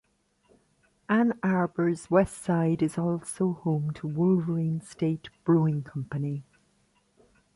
Ann Arbor's West Side is also home to Wolverine State Brewing Company.